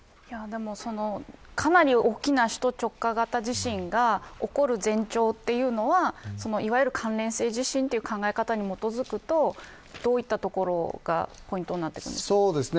かなり大きな首都直下型地震が起こる前兆というのはいわゆる関連性地震という考え方に基づくとどういったところがポイントになってきますか。